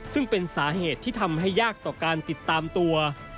ซึ่งเป็นสาเหตุที่ทำให้ยากต่อการติดตามตัว